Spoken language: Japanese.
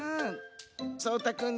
そうたくん・